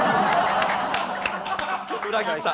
裏切った。